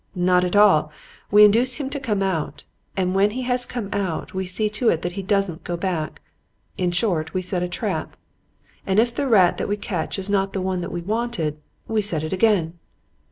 Not at all. We induce him to come out. And when he has come out, we see to it that he doesn't go back. In short, we set a trap. And if the rat that we catch is not the one that we wanted, we set it again.